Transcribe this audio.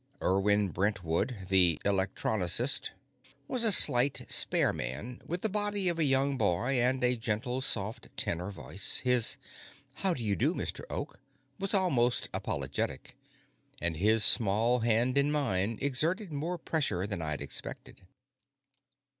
Irwin Brentwood, the electronocist, was a slight, spare man with the body of a young boy and a gentle, soft tenor voice. His "How do you do, Mr. Oak" was almost apologetic, and his small hand in mine exerted more pressure than I'd expected.